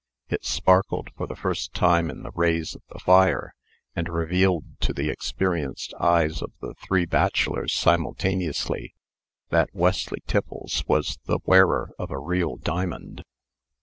It sparkled for the first time in the rays of the fire, and revealed to the experienced eyes of the three bachelors simultaneously, that Wesley Tiffles was the wearer of a real diamond.